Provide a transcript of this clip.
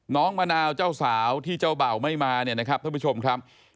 มะนาวเจ้าสาวที่เจ้าเบ่าไม่มาเนี่ยนะครับท่านผู้ชมครับ